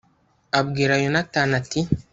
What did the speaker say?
abwira yonatani ati